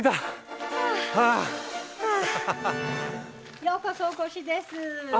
ようこそお越しです。